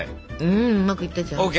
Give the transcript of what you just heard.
んうまくいったじゃない。